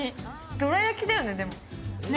どら焼きだよね、でも。